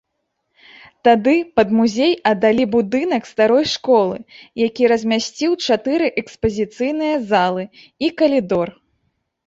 Тады пад музей аддалі будынак старой школы, які размясціў чатыры экспазіцыйныя залы і калідор.